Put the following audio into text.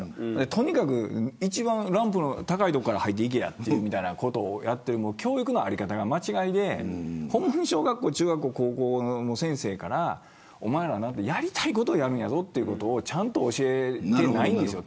とにかく一番ランクの高いところから入っていけやみたいなことをやっている教育の在り方が間違いで小学校、中学校、高校の先生からお前らがやりたいことをやれということをちゃんと教えていないんですよ。